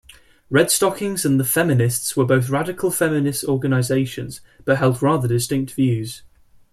Redstockings and The Feminists were both radical feminist organizations, but held rather distinct views.